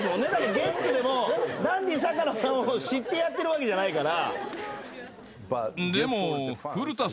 ゲッツでもダンディ坂野さんを知ってやってるわけじゃないから。